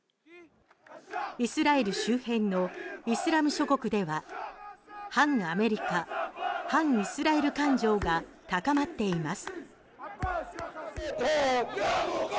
イスラエル周辺のイスラム諸国では反アメリカ、反イスラエル感情が高まっています。